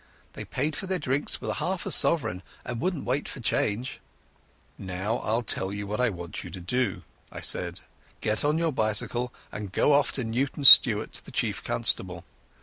They paid for their drinks with half a sovereign and wouldn't wait for change." "Now I'll tell you what I want you to do," I said. "Get on your bicycle and go off to Newton Stewart to the Chief Constable.